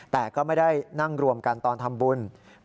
แต่ก็ไม่ได้นั่งรวมกันตอนทำบุญ